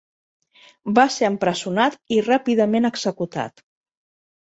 Va ser empresonat i ràpidament executat.